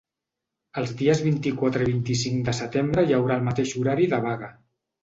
Els dies vint-i-quatre i vint-i-cinc de setembre hi haurà el mateix horari de vaga.